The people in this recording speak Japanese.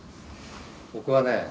僕はね